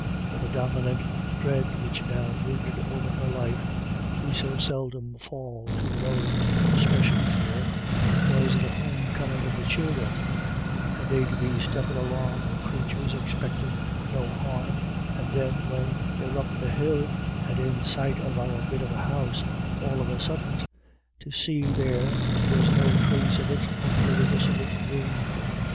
For the dominant dread which now brooded over her life — we so seldom fall too low for special fear — •was the home coming of the childer :" And they to be steppin* along, the crathurs, expectin' no larm, and then when they're up the hill, and in sight of our bit of a house, all of a suddint to see there was no thrace of it on'y a disolit roon.